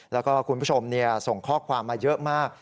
แล้วก็คุณผู้ชมส่งข้อความมาเยอะมาก